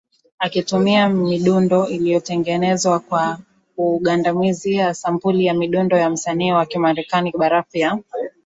akitumia midundo iliyotengenezwa kwa kugandamizia sampuli ya mdundo ya msanii wa Kimarekani barafu ya